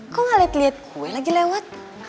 kok gak liat liat gue lagi lewat